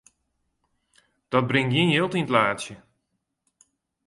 Dat bringt gjin jild yn it laadsje.